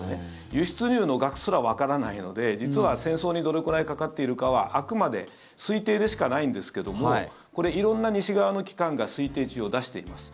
輸出入の額すらわからないので実は戦争にどれくらいかかっているかはあくまで推定でしかないんですけどもこれ、色んな西側の機関が推定値を出しています。